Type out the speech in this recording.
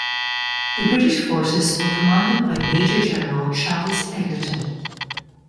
The British forces were commanded by Major General Charles Egerton.